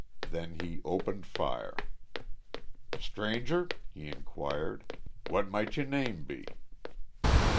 Then he opened fire. "Stranger," he inquired, "what might yo' name be?"